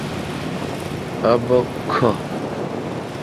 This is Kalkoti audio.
اؘ بک کھو۔